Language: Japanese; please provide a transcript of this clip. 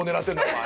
お前。